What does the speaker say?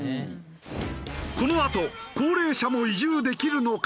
このあと高齢者も移住できるのか？